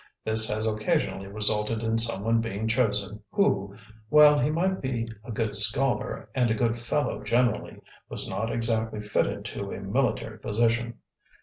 This has occasionally resulted in someone being chosen who, while he might be a good scholar and a good fellow generally, was not exactly fitted to a military position.